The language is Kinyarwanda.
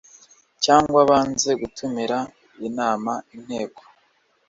Cyangwa banze gutumiza inama inteko